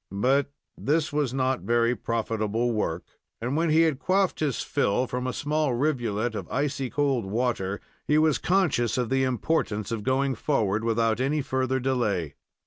But this was not very profitable work, and when he had quaffed his fill from a small rivulet of icy cold water, he was conscious of the importance of going forward without any further delay.